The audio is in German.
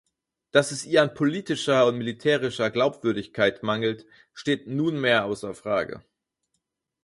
Dass es ihr an politischer und militärischer Glaubwürdigkeit mangelt, steht nunmehr außer Frage.